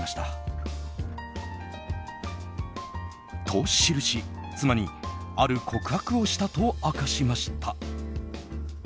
と記し、妻にある告白をしたと明かしました。